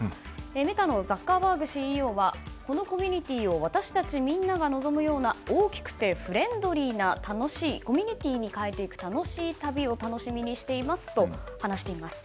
メタのザッカーバーグＣＥＯはこのコミュニティーを私たちみんなが望むような大きくてフレンドリーな楽しいコミュニティーに変えていく楽しい旅を楽しみにしていますと話しています。